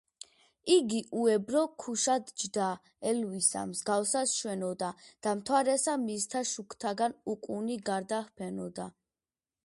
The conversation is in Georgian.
"იგი უებრო ქუშად ჯდა, ელვისა მსგავსად შვენოდა, და მთვარესა მისთა შუქთაგან უკუნი გარდაჰფენოდა".